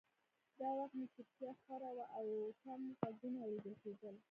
دا وخت نو چوپتیا خوره وه او کم غږونه اورېدل کېدل